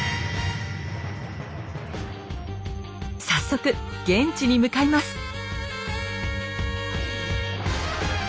早速現地に向かいます。